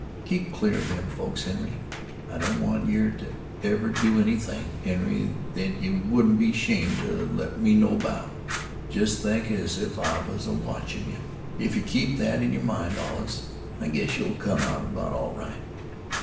Keep clear of them folks, Henry. I don't want yeh to ever do anything, Henry, that yeh would be 'shamed to let me know about. Jest think as if I was a watchin' yeh. If yeh keep that in yer mind allus, I guess yeh'll come out about right.